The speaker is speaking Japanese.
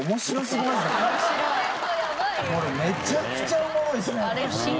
これめちゃくちゃおもろいですね。